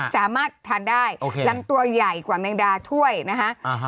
สามารถทานได้ลำตัวใหญ่กว่าแมงดาถ้วยนะคะ